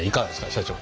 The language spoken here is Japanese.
社長。